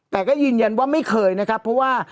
แต่ก็ยืนยันว่าไม่เคยนะครับเพราะว่า